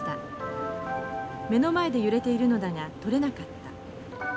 目の前で揺れているのだが取れなかった。